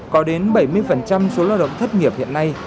có đến bảy mươi số lao động thất nghiệp hiện nay